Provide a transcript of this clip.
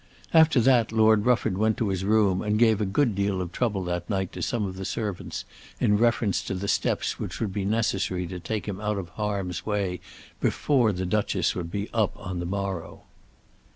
After that Lord Rufford went to his room and gave a good deal of trouble that night to some of the servants in reference to the steps which would be necessary to take him out of harm's way before the Duchess would be up on the morrow.